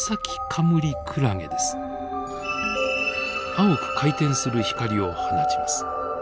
青く回転する光を放ちます。